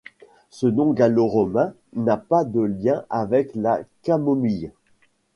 Ce nom gallo-romain n'a pas de lien avec la camomille.